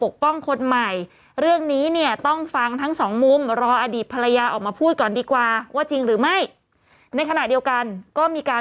ก็คือพี่สาวของแม่น้องเนเน่แล้วก็ลูกของคุณศิริพรอีก๓คน